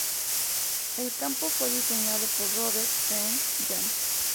El campo fue diseñado por Robert Trent Jones.